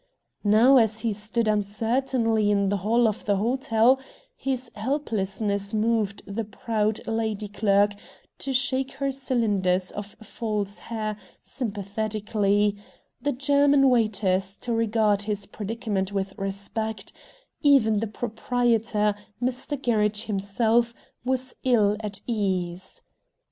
Now as he stood uncertainly in the hall of the hotel, his helplessness moved the proud lady clerk to shake her cylinders of false hair sympathetically, the German waiters to regard his predicament with respect; even the proprietor, Mr. Gerridge himself, was ill at ease.